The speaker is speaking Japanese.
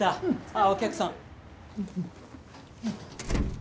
あっお客さん。